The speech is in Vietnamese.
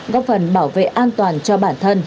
góp phần bảo vệ an toàn cho bản thân